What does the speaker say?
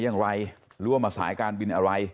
อย่างไรหรือว่ามาสายการบินอะไร